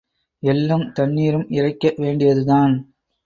எள்ளும் தண்ணீரும் இறைக்க வேண்டியதுதான்.